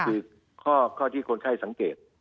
คือข้อที่คนไข้สังเกต